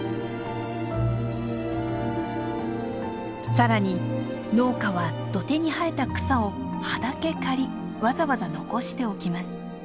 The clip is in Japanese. さらに農家は土手に生えた草を葉だけ刈りわざわざ残しておきます。